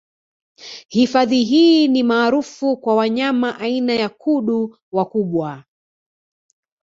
Hifadhi hii ni maarufu kwa wanyama aina ya kudu wakubwa